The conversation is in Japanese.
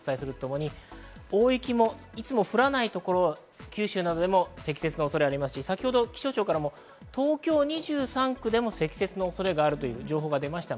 大雪も、いつも降らないところ、九州などでも積雪の恐れがありますし、気象庁からも東京２３区でも積雪の恐れがあるという情報が出ました。